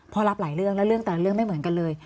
รับหลายเรื่องแล้วเรื่องแต่ละเรื่องไม่เหมือนกันเลย